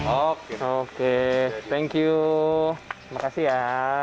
oke oke terima kasih ya